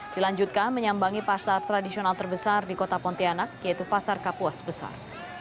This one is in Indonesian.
dilanjutkan menyambangi pasar tradisional terbesar di kota pontianak yaitu pasar kapuas besar